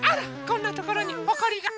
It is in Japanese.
こんなところにほこりが。